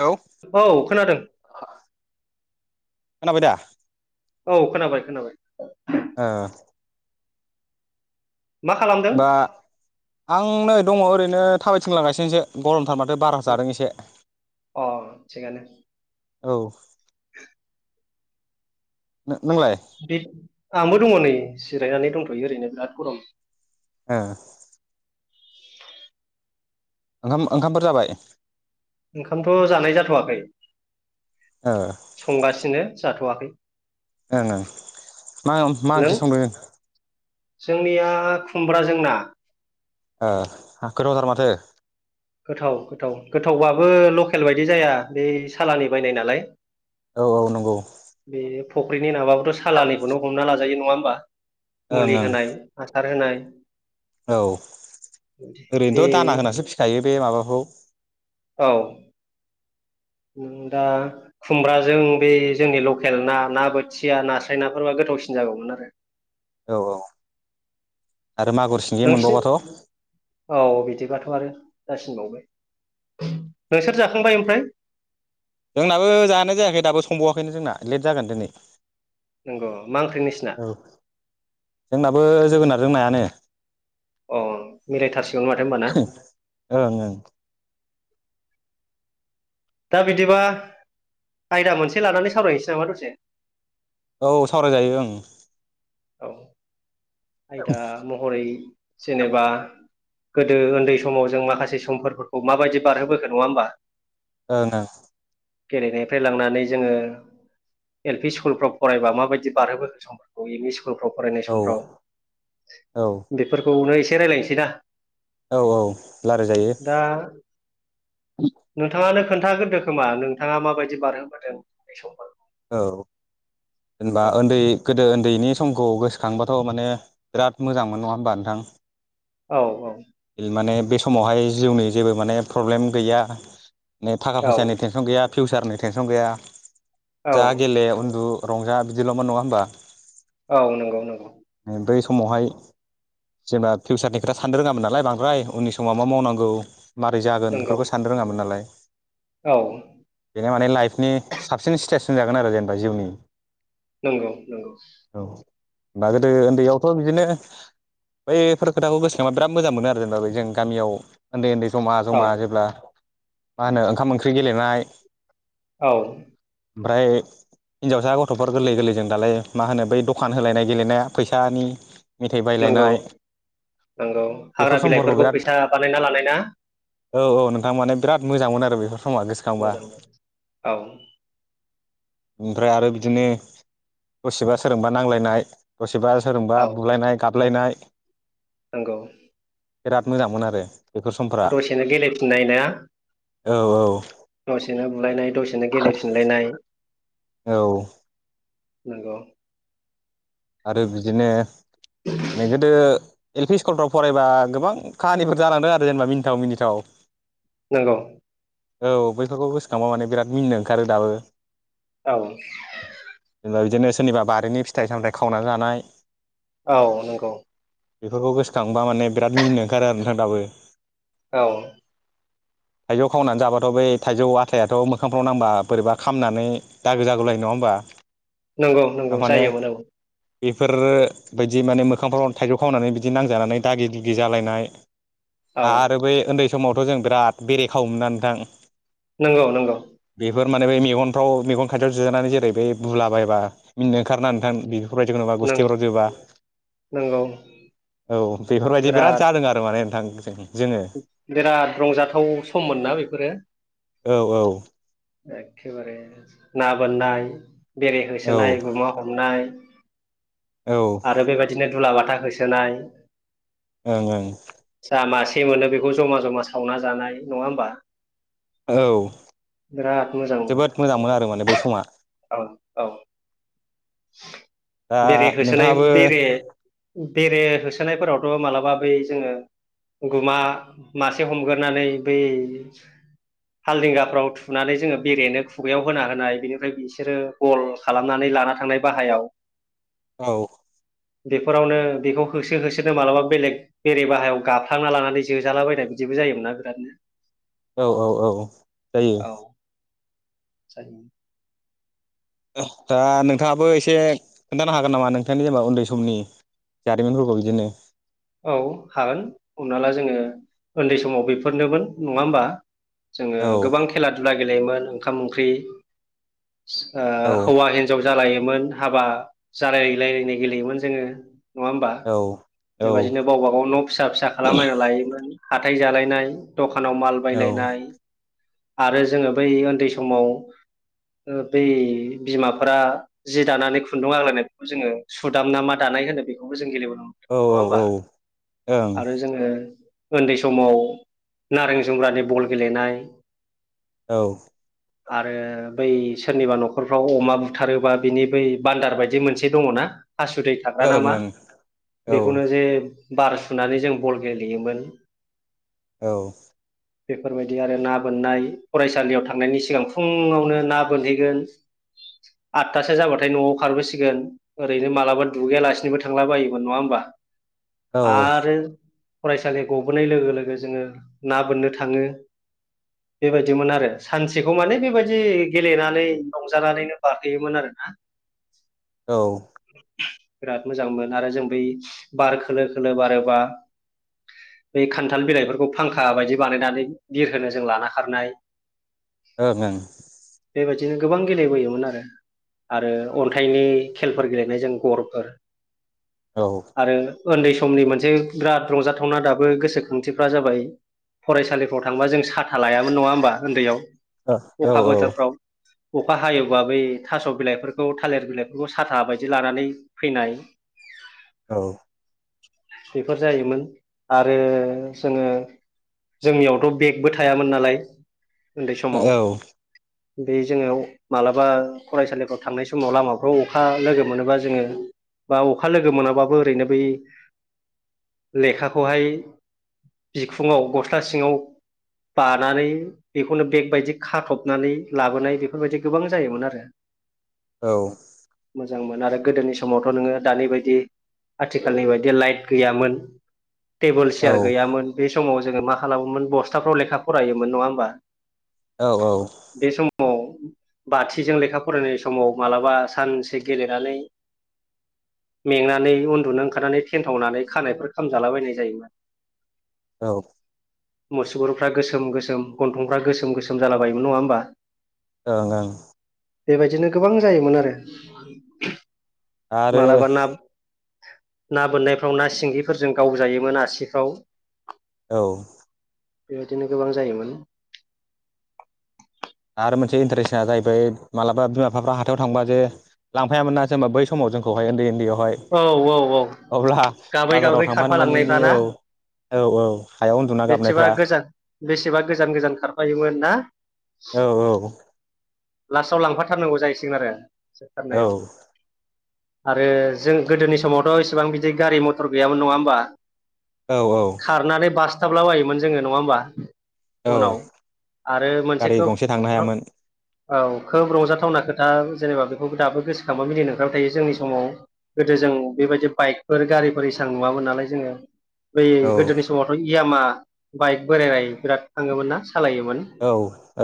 Hello औ खोनादों। खोनाबाय दा? औ खोनाबाय खोनाबाय। ओ मा खालामदों? होमबा आं नै दङ ओरैनो थाबायथिंलांगासिनोसो गरम थार माथो बार जादों एसे। अ थिगानो औ। [inaudible] नोंलाय बे आंबो दङ नै जिरायनानै दंथ'यो ओरैनो बिराद गरम। ओ। ओंखाम ओंखामफोर जाबाय? ओंखामथ' जानाय जाथ'वाखै ओ संगासिनो जाथ'वाखै। ओं ओं मा मा नों? ओंख्रि संदों जोंनिया खुमब्राजों ना। ओ गोथावथार माथो। गोथाव गोथाव गोथावबाबो लकेल बायदि जाया बे सालानि बायनाय नालाय। औ औ नंगौ। बे फुख्रिनि नाबाबोथ' सालानिखौनो हमना लाजायो नङा होमबा? ओं मुलि ओं होनाय हासार होनाय। औ बे ओरैनोथ' दाना होनसो फिखायो बे माबाखौ। औ। नों दा खुमब्राजों बे जोंनि लकेल ना ना बोथिया नास्राय नाफोरबा गो थावसिन जागौमोन आरो। औ औ आरो मागुर सिंगि मोनबावबाथ' नोंसोर औ बिदिबाथ' आरो जासिनबावबाय। नोंसोर जाखांबाय ओमफ्राय? जोंनाबो जानाय जायाखै दाबो संबावाखैनो जोंना लेट जागोन दिनै। नंगौ मा ओंख्रि नोंसिना औ जोंनाबो जोगोनारजों नायानो। अ मिलायथारसिगौनो माथो होमबा ना [unintelligible] ओंओं दा बिदिबा आयदा मोनसे लानानै सावरायहनोसै नामा दसे औ सावरायजायो ओं औ आयदा महरै जेनेबा गोदो उन्दै समाव जों माखासे समफोरखौ माबायदि बारहोबोखो नङा होमबा ओंओं गेलेनायनिफ्राय लांनानै जोंङो एल पि स्कुल फाव फरायबा माबायदि बारहो समफोरखौ एम इ स्कुल स्कुलफ्राव फरायनाय ओं समफ्राव औ औ बेफोरखौनो एसे रायज्लायनोसै ना। औ औ लाराय जायो। दा नोंथाङानो खोन्थाग्रोदो खोमा नोंथाङा माबायदि बारहोबोदों उनदै सम औ जेनेबा उन्दै गोदो उन्दैनि समखौ गोसोखांबाथ' माने बिराद मोजां मोन नङा होमबा नोंथां। औ औ माने बे समावहाय जिउनि जेबो माने प्रब्लेम गैया नै थाखा औ फैसानि टेनसन गैया फिउसारनि टेनसन गैया औ जा गेले उन्दु रंजा बिदिल'मोन नङा होनमबा औ नंगौ नंगौ समावहाय जेनेबा फिउचारनि खोथा साननो रोङामोन नालाय बांद्राय उननि समाव मा मावनांगौ। मारै जागोन नंगौ बेफोरखौ साननो रोङामोन नालाय। औ बेनो माने लाइफनि साबसिन स्टेस होनजागोन आरो जेनेबा जिउनि नंगौ नंगौ दा गोदो उन्दैयावथ' बिदिनो बैफोर खोथाखौ गोसोखांबा बिराद मोजां मोनो आरो ना बे जों गामियाव उन्दै उन्दै जमा औ जमा जेब्ला मा होनो ओंखाम ओंख्रि गेलेनाय औ ओमफ्राय हिनजावसा गथ'फोर गोरलै गोरलै जों दालाय मा होनो बै दखान होलायनाय गेलेनाया फैसानि। मेथाइ नंगौ बायलायनाय नंगौ हाग्रा बेफोर समफोरखौ बिलाइफोरखौ बिराद फैसा बानायना लानायना औ औ नोंथां माने बिराद मोजां मोन आरो बैफोर मोजां औ ओमफ्राय आरो बिदिनो दसेबा सोरजोंबा नांजलायनाय दसे बा सोरजोंबा औ बुलायनाय गाबलायनाय नंगौ बिराद मोजांमोन आरो बेफोर समफ्रा दसेनो गेलेफिननाय ना औ औ दसेनो बुलायनाय दसेनो गेलेफिनलायनाय औ नंगौ आरो बिदिनो माने गोदो एल पि स्कुलफ्राव फरायबा गोबां काहानिफोर जालांदों आरो जेनेबा मिनिथाव मिनिथाव। नंगौ औ बैफोरखौ गोसोखांबा माने बिराद मिनो ओंखारो दाबो औ बिदिनो सोरनिबा बारिनि फिथाइ सामथायाइ खावनानै जानाय औ नंगौ बेफोरखौ गोसोखांबा माने बिराद मिनिनो ओंखारो आरो ना दाबो औ थाइजौ खावनानै जाबाथ' बै थाइजौ आथायाथ' मोखांफ्राव नांबा बोरैबा खामनानै दागो जागुलायो नङा होमबा नंगौ नंगौ जायोमोन आं बेफोरोबायदि माने मोखांफ्राव थाइजौ खावनानै बिदि नांजानानै दागि दुगि जालायनाय औ आरो बै उन्दै समावथ' जों बिराद बेरे खावोमोन ना नोंथां नंगौ नंगौ बेफोर माने बे मेगनफ्राव मेगन खायथियाव जोनानै जेरै बै बुलाबायबा मिनिनो ओंखारना नोंथां बि जोबा नंगौ गुस्थिफोराव जोबा नंगौ औ बेफोरबायदि बिराद जादों आरो माने नोंथां जों जोङो बिराद रंजाथाव सममोनना बेफोरो औ औ एखेबारे ना बोननाय बेरे औ होसोनाय गुमा हमनाय औ ओं आरो बेबायदिनो दुलाबाथा होसोनाय ओं ओं। फै मोनो बेखौ ज'मा ज'मा सावना जानाय नङा होमबा? औ। बिराद मोजांमोन जोबोद मोजां मोनो आरो माने बै समा औ औ। दा बेरे होसोनाय नोंथाङाबो बेरे बेरे होसोनायफोरावथ' मालाबा बै जोङो गुमा मासे हमगोरनानै बै हालदिंगाफ्राव थु थुनानै जोङो बेरेनो खुगायाव होना होनाय बेनिफ्राय बिसोरो गल खालामनानै लाना थांनाय बाहायाव। [inaudible] औ। बेफोरावनो बेखौ होसो होसोनो मालाबा बेलेग बेरे बाहायाव गाफ्लांना लानानै जोजालाबायनाय बिद दिबो जायोमोनना बिरादनो। औ औ औ जायो। जानो। दा नोंथाङाबो एसे खोन्थानो हागोन नामा नोंथांनि जेनेबा उन्दै समनि जारिमिनफोरखौ बिदिनो औ हागोन हमना ला जोङो उन्दै समाव बेफोरनोमोन नङा होमबा? जोङो औ गोबां खेला दुला गेलेयोमोन ओंखाम ओंख्रि ओ औ हौवा हिन्जाव जालायोमोन हाबा जालाय लायलायनाय गेलेयोमोन जोङो। नङा होमबा? औ बेबायदिनो औ गावबाागाव न' फिसा फिसा खालामलायना लायोमोन। हाथाय जालायनाय दखानाव माल औ बायलायनाय आरो जोङो बै उन्दै समाव ओ बै बिमाफोरा जि दानानै खुन्दुं आग्लायनायखौ जोङो सुदामना मा दान नाय होनो बेखौबो जों गेलेबोनो मोनदों नङा औ होमबा औ ओं आरो जोङो उन्दै समाव नारें जुमग्रानि बल गेलेनाय। औ। आरो बै सोरनिबा न'खरफ्राव अमा बुथारोबा बिनि बै बान्दार बायदि मोनसे दङ' ना? हासुदै थाग्रा नामा ओं ओं औ बेखौनो जे बार सुनानै जों बल गेलेयोमोन। औ। बेफोरबायदि आरो ना बोननाय फरायसालियाव थांनायनि सिगां फुङावनो ना बोनहैगोन। आततासो जाबाथाय न'आव खारबोसिगोन ओरैनो मालाबा दुगैयालासिनोबो थांला बायोमोन नङा होम बा औ आरो फरायसालि गबोनाय लोगो लोगो जोङो ना बोननो थाङो। बेबायदिमोन आरो सानसेखौ माने बेबायदि गेलेनानै रंजानानैनो बारहोयोमोन आरोना। [inaudible] औ। बिराद मोजांमोन आरो जों बै बार खोलो खोलो बारोबा बै खान्थाल बिलाइफोरखौ फांखा बायदि बानायनानै बिर होनो जों लाना खारनाय। ओं ओं। बेबायदिनो गोबां गेलेबोयोमोन आरो आरो अन्थाइनि खेलफोर गेलेनायजों गरफोर आरो उन्दै समनि मोनसे बिराद रंजाथावना दाबो गोसोखांथिफ्रा जाबाय फरायसालिफ्राव थांबा जों साथा लायामोन नङा होमबा उन्दैयाव? औ अखा औ। बोथोरफ्राव अखा हायोबा बै थास' बिलाइफोरखौ थालिर बिलाइफोरखौ साथा बायदि लानानै फैनाय। [inaudible] औ। बेफोर जायोमोन आरो जोङो जोंनियावथ' बेगबो थायामोन नालाय उन्दै औ औ समाव। बे जोङो अ मालाबा फरायसालिफ्राव थांनाय समाव लामाफ्राव अखा लोगो मोनोबा जोङो बा अखा लोगो मोनाबाबो ओरैनो बै लेखाखौहाय बिखुङाव गस्ला सिङाव बानानै बेखौनो बेग बायदि खाथबनानै लाबोनाय बेफोरबायदि गोबां जायोमोन आरो। औ। मोजांमोन आरो गोदोनि समावथ' नोङो दानि बायदि आथिखालनि बायदि लाइट गैयामोन। टेबोल सियार गैयामोन बे समाव जोङो मा खालामोमोन बस्थाफ्राव लेखा फरायोमोन नङा ओमबा। औ औ। बाथिजों लेखा फरायनाय समाव मालाबा सानसे गेलेनानै मेंनानै उन्दुनो ओंखारनानै थेनथावनानै खानायफोर खामजालाबायनाय जायोमोन। औ। मुसगुरफ्रा गोसोम गोसोम गन्थंफ्रा गोसोम गोसोम जालाबायायोमोन नङा होमबा ओं ओं। बेबायदिनो गोबां जायोमोन आरो आरो मालाबा ना ना बोननायफ्राव ना सिंगिफोरजों गावजायोमोन आसिफ्राव। औ। बेबायदिनो गोबां जायोमोन। आरो मोनसे इन्टारेस्टआ जाहैबाय मालाबा बिमा बिफ हाथायाव थांबा जे लांफायामोन ना जेनेबा बै समाव जोंखौहाय। [unintelligible] औ औ औ अब्ला गाबै बाजाराव गाबै थांफानो मोनैनि खारफालांनायफाना। औ औ औ हायाव उन्दुना बेसेबा गाबनायफ्रा गोजान बेसेबा गोजान गोजान खारफायोमोन ना। औ औ। लासाव लांफाथारनांगौ जाहैसिगोन आरो [unintelligible] औ थारनायाव आरो जों गोदोनि समावथ' इसेबां बिदि गारि मथर गैयामोन नङा ओमबा। औ औ खारनानै बासथाबलाबायोमोन जोङो नङा ओमबा। औ उनाव आरो मोनसे गारि खो गंसे थांनो हायामोन [unintelligible] औ खोब रंजाथावना खोथा जेनेबा बेखौ दाबो गोसोखांबा मिनिनोओंखारबाय थायो जोंनि समाव। गोदो जों बेबायदि बाइकफोर गारिफोर एसां नुवामोन नालाय जोङो। बै औ गोदोनि समावथ' इयामा बाइक बेरायराय बिराद थाङोमोन ना। सालायोमोन औ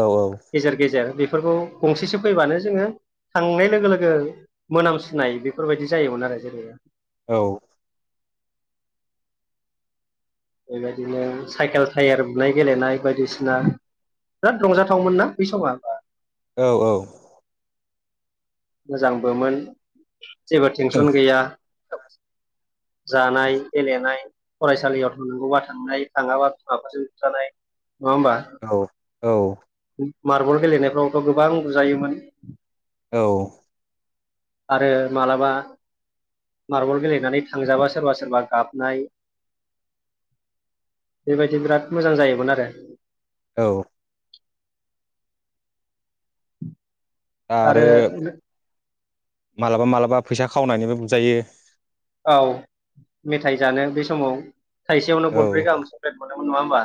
औ गेजेर गेजेर बे फोरखौ गंसेसो फैबानो जोङो थांनाय लोगो लोगो मोनामसुनाय बिफोरबायदि जायोमोन आरो जेनेबा औ। बेबायदिनो साइकेल टायार बुनाय गेलेनाय बायदिसिना बिराद रंजाथावमोन मोनना बै समा औ औ। मोजांबोमोन जेबो औ टेनसन गैया जानाय गेलेनाय फरायसालियाव थांनांगौबा थांनाय थाङाबा बिमाफोरजों बुजानाय नङा होमबा औ औ मार्बल गेलेनायफ्रावथ' गोबां बुजायोमोन। औ। आरो मालाबा मार्बल गेलेनानै थांजाबा सोरबा सोरबा गाबनाय बेबायदि बिराद मोजां जायोमोन आरो। औ। आरो मालाबा मालाबा फैसा खावनायनिबो बुजायो औ मेथाइ जानो बे समाव थाइसेयावनो औ गरब्रै गाहाम सक्लेट मोनो नङा होमबा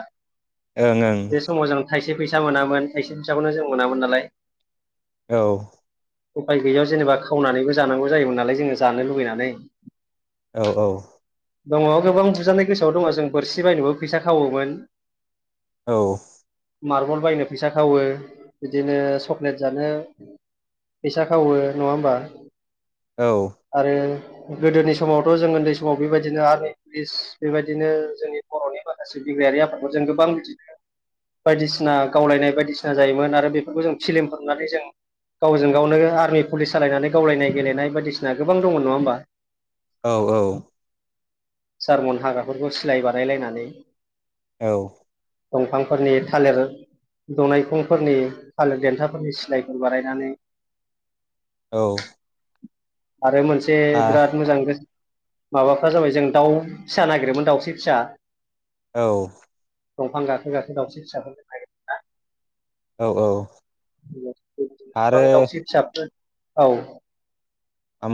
ओं बे समाव जों थायसे फैसा मोनामोन थायसे फिसाखौनो जों मोनामोन नालाय औ उफाय गैयियाव जेनेबा खावनानैबो जानांगौ जायोमोन नालाय जोङो जानो लुबैनानै औ औ दङ गोबां बुजानाय गोसोआव दङ जों बोरसि बायनोबो फैसा खावोमोन औ मार्बल बायनो फैसा खावो बिदिनो चक्लेट जानो फैसा खावो नङा होमबा औ आरो गोदोनि समावथ' जों उन्दै समाव बेबायदिनो आर्मि पुलिस बेबायदिनो जोंनि बर'नि माखासे बिग्रायारि आफादफोरजों गोबां बिदिनो बायदिसिना गावलायनाय बायदिसिना जायोमोन आरो बेफोरखौ जों फिलिमफोरनुनानै जों गावजों गावनो आर्मि पुलिस जाशलायनानै गावलायनाय गेलेनाय बायदिसिना गोबां दंमोन नङा होमबा? औ औ सारमन हाग्राफोरखौ सिलाय बानायायलायनानै औ दंफांफोरनि थालिर दनायखंफोरनि थालिर देन्थाफोरनि सिलायफोर बारायनानै औ आरो मोनसे आ बिराद मोजां गो माबाफ्रा जाबाय जों दाउ फिसा नागिरोमोन दाउस्रि फिसा औ दंफां गाखो गाखो दाावस्रि फिसाफोर जों नागिरदोंना? औ औ गोबां आरो दावसि फिसाफोर औ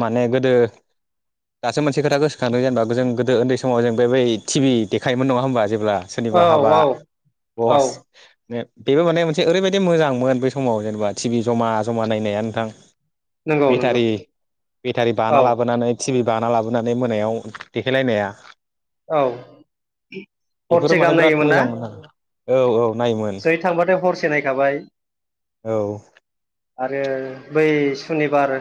माने गोदो दासो मोनसे खोथा गोसोखांदों जेनेबा जों गोदो उन्दै समाव जों बे बै टि भि देखायोमोन नङा होमबा जेब्ला सोरनिबा औ हाबा औ औ बस बेबो माने मोनसे ओरैबायदि मोजांमोन बै समाव जेनेबा टिभि जमा जमा नायनाया नोंथां नंगौ नंगौ बेटारि बेटारि औ बाना लाबोनानै टि भि बाना लाबोनानै मोनायाव देखायलायनाया औ बेफोरो हरसे माने गाहाम बिराद नायोमोन ना मोजांमोनना औ औ नायोमोन जै थांबाथाय हरसे नायखाबाय। औ आरो बै सुनिबार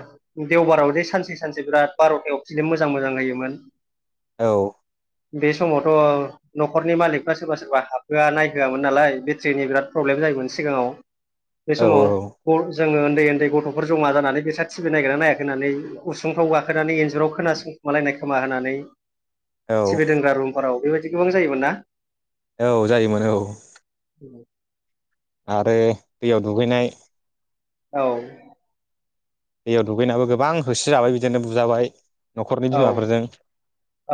देवबाराव जे सानसे सानसे बिराद बार'थायाव फिल्म मोजां मोजां नायोमोन। औ बे समावथ' न'खरनि मालिकफ्रा सोरबा सोरबा हाबहोआ नायहोआमोन नालाय बे थ्रिनि बेराद प्रब्लेम जायोमोन सिगाङाव बे औ समाव जोङो उन्दै उन्दै गथ'फोर जमा जानानै बेसाद टिभि नायगोना नायाखै होननानै उसुंफ्राव गाखोनानै इन्जुराव खोनासं खोमालायनाय खोमा होनानै टि भि औ दोनग्रा रुमफोराव बेबायदि गोबां जायोमोन ना। औ जायोमोन औ। औ आरो दैयाव दुगैनाय औ दैयाव दुगैनाबो गोबां होसो जाबाय बिदिनो बुजाबाय। न'खरनि औ बिमाफोरजों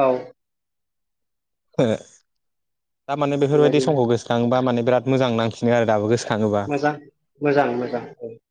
औ ओ दामाने बेफोरबायदि बेबायदिनो समखौ गोसोखाङोबा माने बिराद मोजां नांफिनो आरो दाबो गोस मोजां मोजां मोजां।